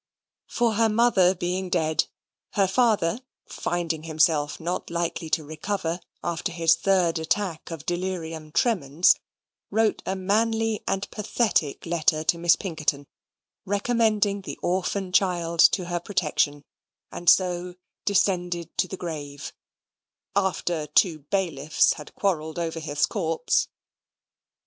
For her mother being dead, her father, finding himself not likely to recover, after his third attack of delirium tremens, wrote a manly and pathetic letter to Miss Pinkerton, recommending the orphan child to her protection, and so descended to the grave, after two bailiffs had quarrelled over his corpse.